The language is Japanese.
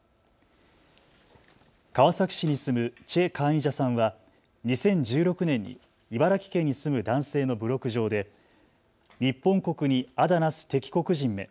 川崎市に住む崔江以子さんは２０１６年に茨城県に住む男性のブログ上で日本国に仇なす敵国人め。